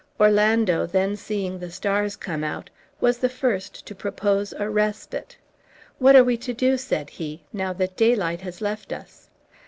Orlando then seeing the stars come out was the first to propose a respite. "What are we to do," said he, "now that daylight has left us?"